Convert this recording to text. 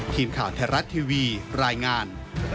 ทีมข่าวไทยรัฐทีวีรายงาน